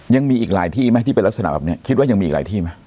ยังมีอีกหลายที่ไหมที่เป็นลักษณะแบบนี้คิดว่ายังมีอีกหลายที่ไหม